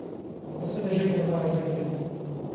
پسه د ژمې لپاره ګټه لري.